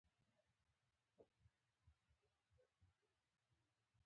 زه په ژمي کې د لاندې غوښه خورم.